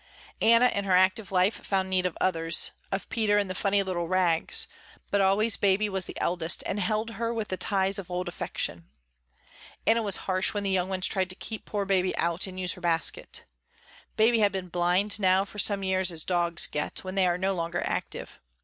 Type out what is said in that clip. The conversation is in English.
Anna in her active life found need of others, of Peter and the funny little Rags, but always Baby was the eldest and held her with the ties of old affection. Anna was harsh when the young ones tried to keep poor Baby out and use her basket. Baby had been blind now for some years as dogs get, when they are no longer active.